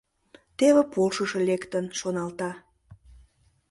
«Теве полшышо лектын, — шоналта.